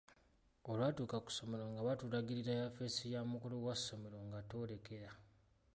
Olwatuuka ku ssomero nga batulagirira yafeesi ya mukulu wa ssomero nga twolekera.